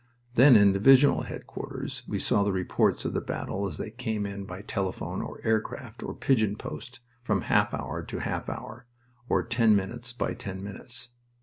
Then in divisional headquarters we saw the reports of the battle as they came in by telephone, or aircraft, or pigeon post, from half hour to half hour, or ten minutes by ten minutes.